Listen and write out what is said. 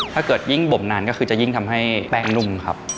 ถ้าเกิดยิ่งบ่มนานก็คือจะยิ่งทำให้แป้งนุ่มครับ